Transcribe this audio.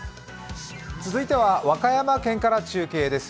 続いては和歌山県から中継です。